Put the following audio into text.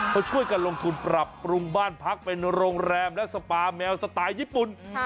เขาช่วยกันลงทุนปรับปรุงบ้านพักเป็นโรงแรมและสปาแมวสไตล์ญี่ปุ่น